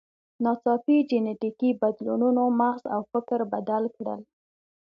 ناڅاپي جینټیکي بدلونونو مغز او فکر بدل کړل.